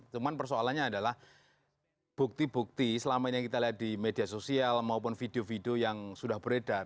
cuman persoalannya adalah bukti bukti selama ini yang kita lihat di media sosial maupun video video yang sudah beredar